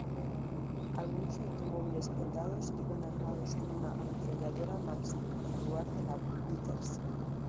Algunos automóviles blindados iban armados con una ametralladora Maxim en lugar de la Vickers.